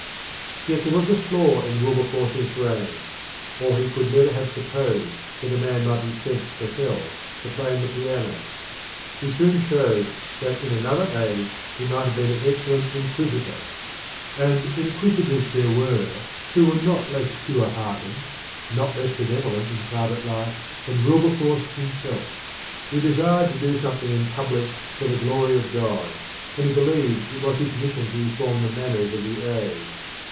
Yet there was a flaw in Wilberforce's brain, or he could never have supposed that a man might be sent to hell for playing the piano. He soon showed that in another age he might have been an excellent inquisitor; and inquisitors there were not less pure hearted, not less benevolent in private life than Wilberforce himself. He desired to do something in public for the glory of God, and he believed it was his mission to reform the manners of the age.